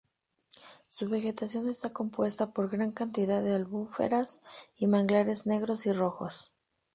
Su vegetación está compuesta por gran cantidad de albuferas y manglares negros y rojos.